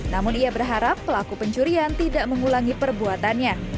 namun ia berharap pelaku pencurian tidak mengulangi perbuatannya